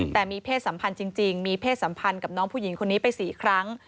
แต่มีเพศสัมพันธ์จริงมีเพศสัมพันธ์กับน้องผู้หญิงคนนี้ไป๔ครั้ง